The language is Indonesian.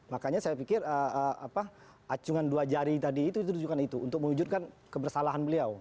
makanya saya pikir acungan dua jari tadi itu ditujukan itu untuk mewujudkan kebersalahan beliau